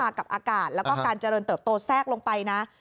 กับอากาศแล้วก็การเจริญเติบโตแทรกลงไปนะ